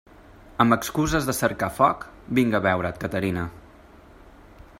Amb excuses de cercar foc vinc a veure't, Caterina.